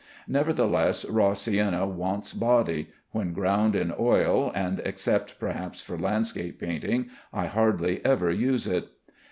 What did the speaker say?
Nevertheless, raw sienna wants body; when ground in oil, and except perhaps for landscape painting, I hardly ever use it.